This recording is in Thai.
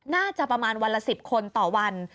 น่าจะประมาณวันละ๑๐คนต่อวัน